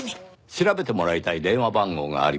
調べてもらいたい電話番号がありまして。